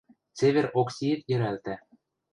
Цевер Оксиэт йӹрӓлтӓ.